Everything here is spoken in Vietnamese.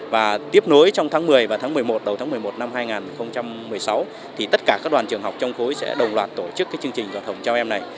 và tiếp nối trong tháng một mươi và đầu tháng một mươi một năm hai nghìn một mươi sáu tất cả các đoàn trường học trong khối sẽ đồng loạt tổ chức chương trình do thông trao em này